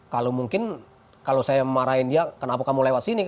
kalau mungkin kalau saya marahin dia kenapa kamu lewat sini